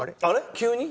急に？